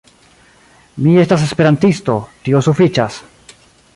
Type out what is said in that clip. Mi estas Esperantisto, tio sufiĉas.